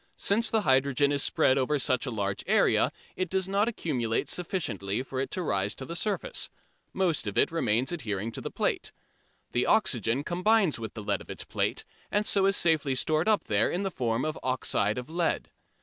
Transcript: Since the hydrogen is spread over such a large area, it does not accumulate sufficiently for much of it to rise to the surface. Most of it remains adhering to the plate. The oxygen combines with the lead of its plate and so is safely stored up there in the form of oxide of lead.